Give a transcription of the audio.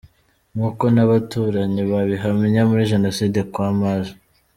Nkuko n’abaturanyi babihamya, muri Jenoside kwa Maj.